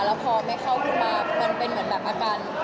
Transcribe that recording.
แล้วพอไม่เข้าขึ้นมามันเป็นเหมือนแบบอาการ